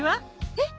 えっ？